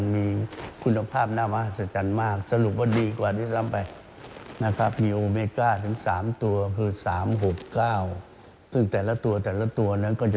มีความร้อนได้สูงกว่าก็แสดงว่าทำอาหารได้